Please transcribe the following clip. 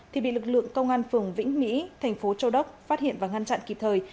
thì bị lực lượng công an phường vĩnh mỹ thành phố châu đốc phát hiện và ngăn chặn kịp thời